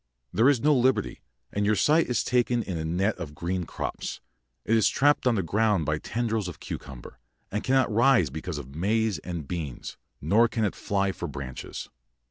There is no liberty, and your sight is taken in a net of green crops; it is trapped on the ground by tendrils of cucumber, and cannot rise because of maize and beans, nor can it fly for branches.